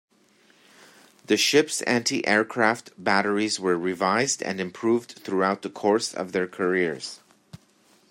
The ships' anti-aircraft batteries were revised and improved throughout the course of their careers.